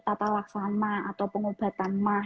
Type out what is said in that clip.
tata laksana atau pengobatan mah